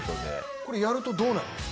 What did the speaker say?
これ、やるとどうなるんですか？